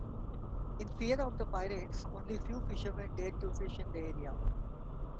In fear of the pirates, only few fishermen dared to fish in the area.